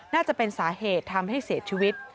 น่าจะเป็นสาเหตุทำให้เสียชีวิต